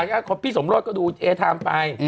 ครอบครัวพี่สมโลศก็ดูแอร์ทาร์มไป